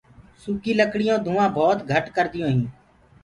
سوڪيٚ لڪڙيونٚ ڌوآنٚ ڀوت گھٽ ڪرديونٚ هينٚ۔